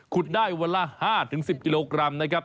ได้วันละ๕๑๐กิโลกรัมนะครับ